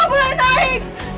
aku boleh naik